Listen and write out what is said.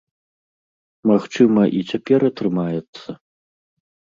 Магчыма, і цяпер атрымаецца?